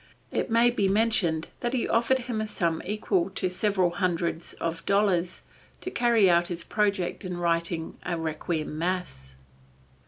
It may be mentioned that he offered him a sum equal to several hundreds of dollars to carry out his project of writing a Requiem Mass.